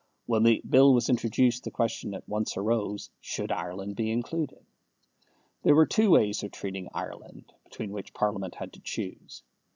When the Bill was introduced the question at once arose Should Ireland be included? There were two ways of treating Ireland between which Parliament had to choose.